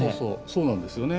そうなんですよね。